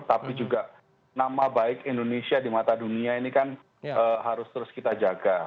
tapi juga nama baik indonesia di mata dunia ini kan harus terus kita jaga